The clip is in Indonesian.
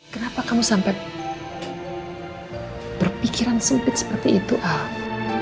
kenapa kamu sampai berpikiran sempit seperti itu al